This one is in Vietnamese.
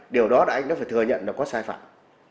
điều đó là anh đã phải thừa nhận là có sai phạm